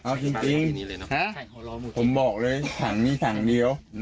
เอาจริงผมบอกเลยถังนี้ถังเดียว